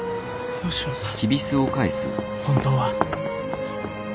吉野さん！